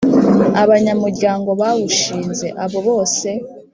Abanyamuryango bawushinze abo bose